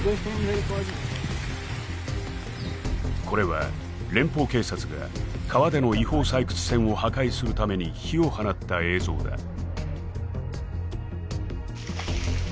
これは連邦警察が川での違法採掘船を破壊するために火を放った映像だ